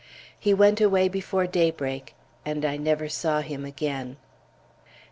He went away before daybreak, and I never saw him again.